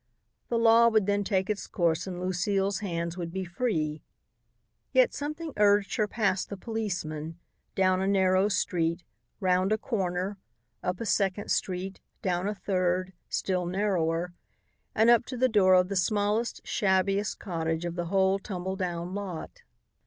The law would then take its course and Lucile's hands would be free. Yet something urged her past the policeman, down a narrow street, round a corner, up a second street, down a third, still narrower, and up to the door of the smallest, shabbiest cottage of the whole tumble down lot.